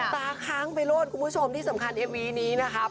ตาค้างไปโลดคุณผู้ชมที่สำคัญเอวีนี้นะครับ